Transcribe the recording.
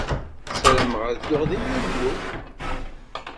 Ssarameɣ ad dduɣ deg Yunyu.